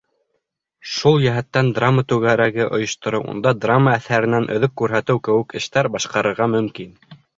Шул йәһәттән драма түңәрәге ойоштороу, унда драма әҫәренән өҙөк күрһәтеү кеүек эштәр башҡарырға мөмкин.